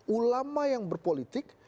ulama yang berpolitik